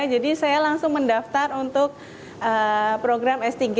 jadi saya langsung mendaftar untuk program s tiga